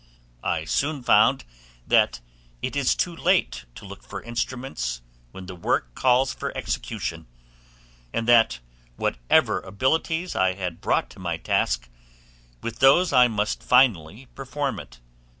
I soon found that it is too late to look for instruments, when the work calls for execution, and that whatever abilities I had brought to my task, with those I must finally perform it.